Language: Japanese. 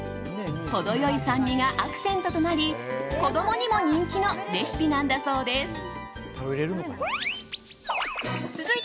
程良い酸味がアクセントとなり子供にも人気のレシピなんだそうです。